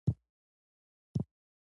دا پوښتنې په پښتو ژبه ترتیب شوې دي.